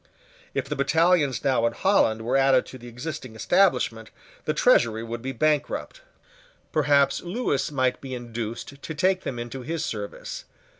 If the battalions now in Holland were added to the existing establishment, the Treasury would be bankrupt. Perhaps Lewis might be induced to take them into his service.